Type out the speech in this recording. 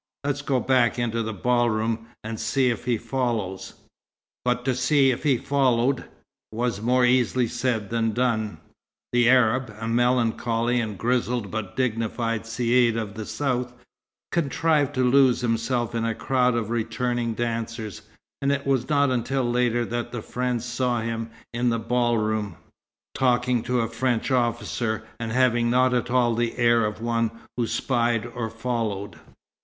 Let's go back into the ball room, and see if he follows." But to "see if he followed" was more easily said than done. The Arab, a melancholy and grizzled but dignified caïd of the south, contrived to lose himself in a crowd of returning dancers, and it was not until later that the friends saw him in the ball room, talking to a French officer and having not at all the air of one who spied or followed.